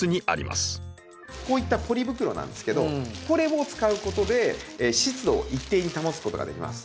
こういったポリ袋なんですけどこれを使うことで湿度を一定に保つことができます。